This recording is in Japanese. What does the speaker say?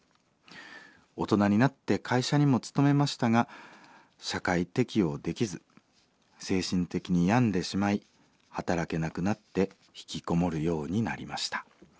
大人になって会社にも勤めましたが社会適応できず精神的に病んでしまい働けなくなってひきこもるようになりました。